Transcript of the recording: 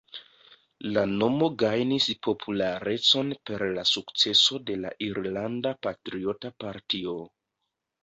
La nomo gajnis popularecon per la sukceso de la Irlanda Patriota Partio.